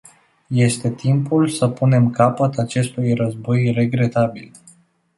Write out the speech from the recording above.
Este timpul să punem capăt acestui război regretabil.